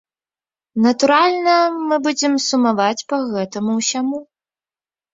Натуральна, мы будзем сумаваць па гэтаму ўсяму.